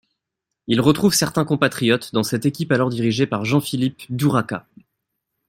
Il retrouve certains compatriotes dans cette équipe alors dirigée par Jean-Philippe Duracka.